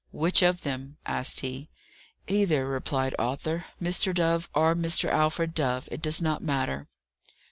"Which of them?" asked he. "Either," replied Arthur. "Mr. Dove, or Mr. Alfred Dove. It does not matter."